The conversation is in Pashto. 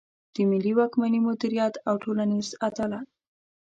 د ملي واکمني مدیریت او ټولنیز عدالت.